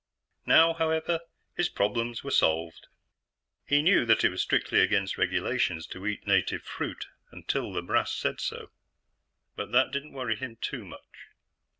Now, however, his problems were solved. He knew that it was strictly against regulations to eat native fruit until the brass said so, but that didn't worry him too much.